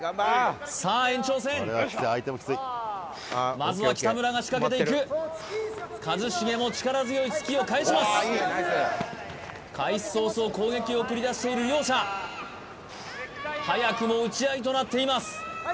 まずは北村が仕掛けていく一茂も力強い突きを返します開始早々攻撃を繰り出している両者早くも打ち合いとなっています